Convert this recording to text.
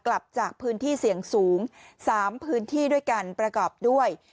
กลับจากพื้นที่เสี่ยงสูง๓พื้นที่ด้วยกันประกอบด้วย